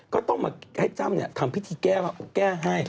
ก็ต้องมาให้จ้ำทำพิธีแก้ให้